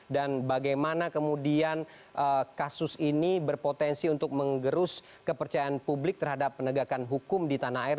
dan bagaimana kemudian kasus ini berpotensi untuk mengerus kepercayaan publik terhadap penegakan hukum di tanah air